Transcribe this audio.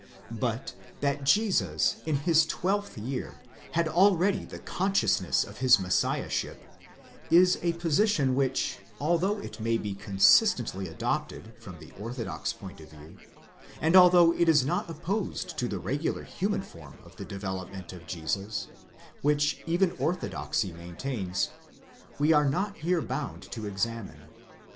But that Jesus in his twelfth year had already the consciousness of his Messiahship, is a position which, although it may be consistently adopted from the orthodox point of view, and although it is not opposed to the regular human form of the de velopment of Jesus, which even orthodoxy maintains, we are not here bound to examine.